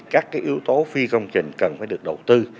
các yếu tố phi công trình cần phải được đầu tư